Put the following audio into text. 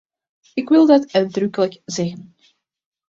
Ik wil dat uitdrukkelijk zeggen.